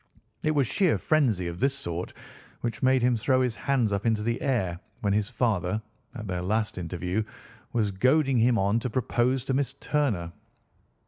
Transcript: It was sheer frenzy of this sort which made him throw his hands up into the air when his father, at their last interview, was goading him on to propose to Miss Turner.